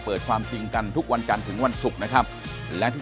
ความจริงกันทุกวันจันทร์ถึงวันศุกร์นะครับและที่